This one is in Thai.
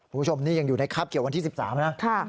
คุณผู้ชมนี่ยังอยู่ในคราบเกี่ยววันที่๑๓นะ